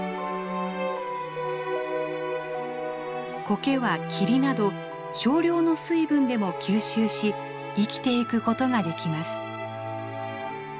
コケは霧など少量の水分でも吸収し生きていくことができます。